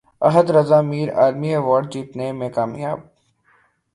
احد رضا میر عالمی ایوارڈ جیتنے میں کامیاب